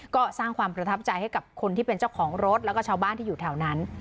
ก็สร้างความประทับใจให้กับคนที่เป็นเจ้าของรถแล้วก็ชาวบ้านที่อยู่แถวนั้น